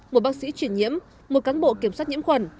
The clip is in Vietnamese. một bác sĩ chuyển nhiễm một cán bộ kiểm soát nhiễm khuẩn